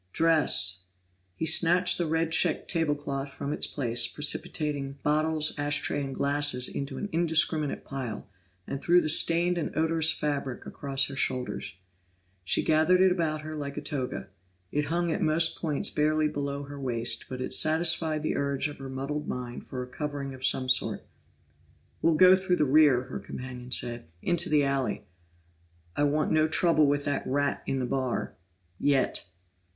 "Dress!" He snatched the red checked table cloth from its place, precipitating bottles, ash tray, and glasses into an indiscriminate pile, and threw the stained and odorous fabric across her shoulders. She gathered it about her like a toga; it hung at most points barely below her waist, but it satisfied the urge of her muddled mind for a covering of some sort. "We'll go through the rear," her companion said. "Into the alley. I want no trouble with that rat in the bar yet!"